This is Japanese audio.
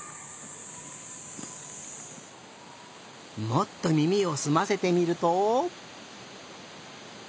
もっとみみをすませてみると？